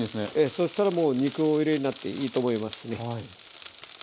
そしたらもう肉をお入れになっていいと思いますね。